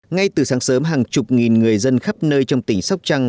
ngay từ sáng sớm hàng chục nghìn người dân khắp nơi trong tỉnh sóc trăng